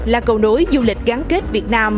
là cầu nối du lịch gắn kết việt nam